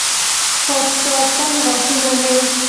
پاک ساتم غاښونه مې